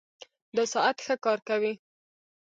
دا ساعت ښه کار کوي